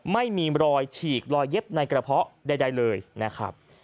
ไม่มีรอยฉีกรอยเย็บในกระเพาะใดเลยนะครับ